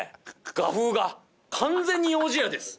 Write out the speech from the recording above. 画風が完全によーじやです